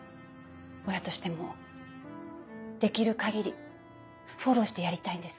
親としてもできる限りフォローしてやりたいんです。